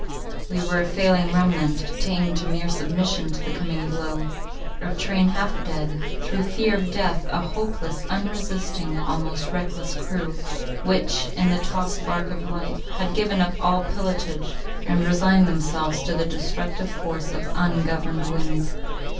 We were a failing remnant, tamed to mere submission to the coming blow. A train half dead, through fear of death—a hopeless, unresisting, almost reckless crew, which, in the tossed bark of life, had given up all pilotage, and resigned themselves to the destructive force of ungoverned winds.